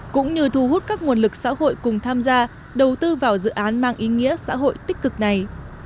cũng như thu hút các nguồn lực xã hội cùng tham gia đầu tư vào dự án mang ý nghĩa xã hội tích cực này